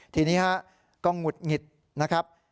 ทีนี้ฮะก็หงุดหงิดนะครับ